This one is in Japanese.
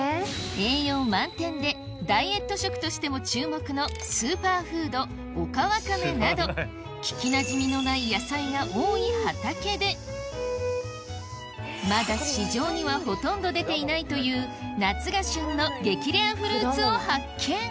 栄養満点でダイエット食としても注目のスーパーフードオカワカメなど聞きなじみのない野菜が多い畑でまだ市場にはほとんど出ていないというえっ！